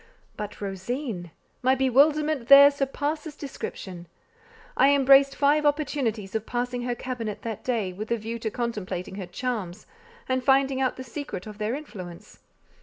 But Rosine! My bewilderment there surpasses description. I embraced five opportunities of passing her cabinet that day, with a view to contemplating her charms, and finding out the secret of their influence.